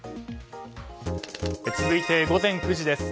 続いて午前９時です。